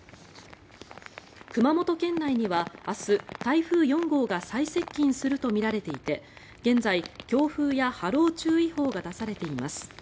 熊本県内には明日台風４号が最接近するとみられていて現在、強風や波浪注意報が出されています。